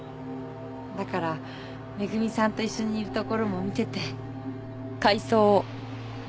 だから恵さんと一緒にいるところも見てて。